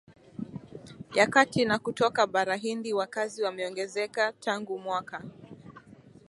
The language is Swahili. ya Kati na kutoka Bara Hindi Wakazi wameongezeka tangu mwaka